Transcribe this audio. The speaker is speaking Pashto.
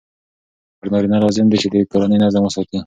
پر نارینه لازم دی چې د کورني نظم وساتي.